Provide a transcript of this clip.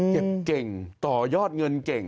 เก็บเก่งต่อยอดเงินเก่ง